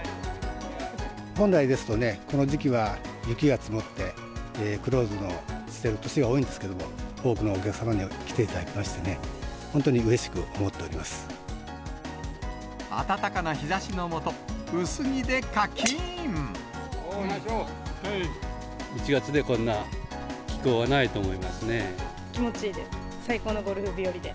本来ですとね、この時期は雪が積もって、クローズしてる年が多いんですけど、多くのお客様に来ていただきましてね、本当にうれしく思っており暖かな日ざしの下、１月でこんな気候はないと思気持ちいいです。